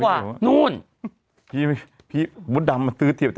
ว่าใช่ไหม